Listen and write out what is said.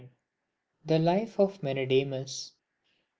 THE LIFE OF MENEDEMUS.